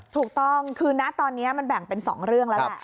ถูกต้องคือนะตอนนี้มันแบ่งเป็น๒เรื่องแล้วแหละ